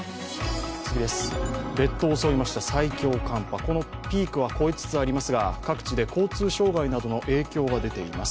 列島を襲いました最強寒波のピークは越えつつありますが、各地で交通障害などの影響が出ています。